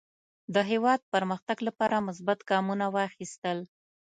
د هېواد پرمختګ لپاره مثبت ګامونه واخیستل.